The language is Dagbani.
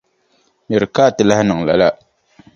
Miri ka a ti lahi niŋ lala.